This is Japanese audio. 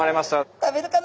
食べるかな？